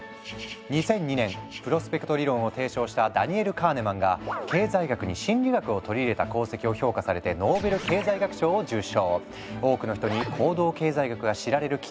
２００２年プロスペクト理論を提唱したダニエル・カーネマンが経済学に心理学を取り入れた功績を評価されて多くの人に行動経済学が知られるきっかけとなったんだ。